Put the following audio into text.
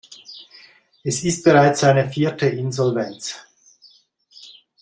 Es ist bereits seine vierte Insolvenz.